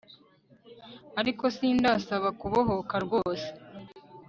ariko sindasaba kubohoka rwose